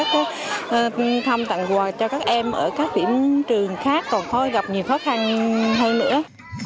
không tặng quà cho các em ở các điểm trường khác còn gặp nhiều khó khăn hay nữa